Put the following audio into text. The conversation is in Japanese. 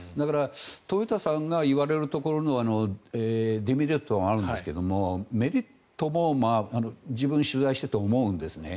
豊田さんが言われるところのデメリットがあるんですけどもメリットも自分、取材していて思うんですね。